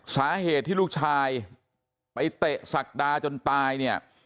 สาเหตุที่ลูกชายไปเตะศักดาจนตายเนี่ย